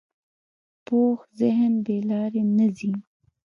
پوخ ذهن بې لارې نه ځي